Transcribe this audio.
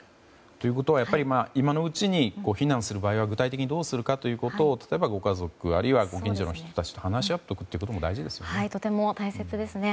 ということは今のうちに避難する場合は具体的にどうするかを例えばご家族やご近所の人たちと話し合っておくことも大事ですよね。